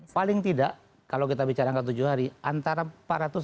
paling tidak kalau kita bicara angka tujuh hari antara empat ratus lima puluh